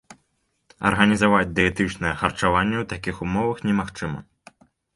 Арганізаваць дыетычнае харчаванне ў такіх умовах немагчыма.